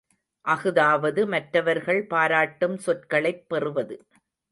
அஃதாவது மற்றவர்கள் பாராட்டும் சொற்களைப் பெறுவது.